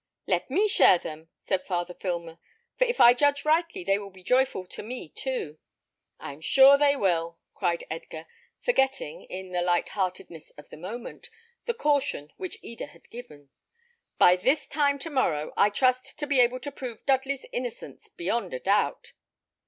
"Let me share them," said Father Filmer; "for if I judge rightly they will be joyful to me too." "I am sure they will," cried Edgar, forgetting, in the light heartedness of the moment, the caution which Eda had given. "By this time to morrow, I trust to be able to prove Dudley's innocence beyond a doubt."